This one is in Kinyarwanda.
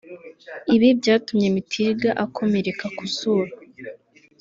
Ibi byatumye Mtiliga akomereka ku zuru